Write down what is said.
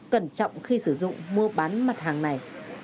cẩn trọng khi sử dụng mua bán mặt hàng này